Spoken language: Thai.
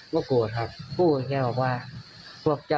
ครูก็พูดว่าครูกล้าลมบอกว่าโกรธคือะ